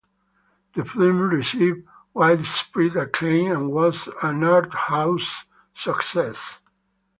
The film received widespread acclaim and was an arthouse success.